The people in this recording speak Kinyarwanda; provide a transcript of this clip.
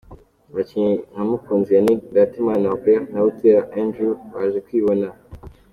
Abakinnyi nka Mukunzi Yannick, Ndatimana Robert na Buteera Andrew baje kwibona.